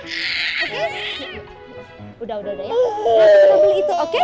kita beli itu oke